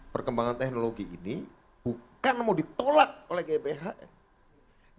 perkembangan teknologi ini bukan mau ditolak oleh gbhn